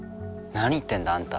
何言ってんだあんた。